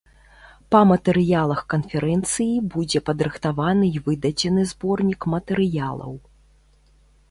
Па матэрыялах канферэнцыі будзе падрыхтаваны і выдадзены зборнік матэрыялаў.